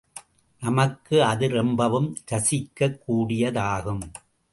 நமக்கு அது ரொம்பவும் ரசிக்கக் கூடியதாகும்.